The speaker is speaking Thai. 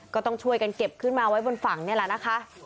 ก็ต้องช่วยกันเก็บขึ้นมาไว้บนฝั่งนี่แหละนะคะ